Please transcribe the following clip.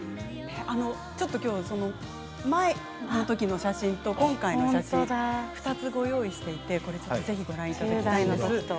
ちょっと前のときの写真と今回の写真２つご用意していて１０代のときと。